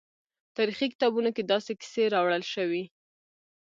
تاریخي کتابونو کې داسې کیسې راوړل شوي.